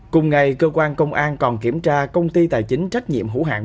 cùng ngày cơ quan công an còn kiểm tra công ty tài chính trách nhiệm hữu hạng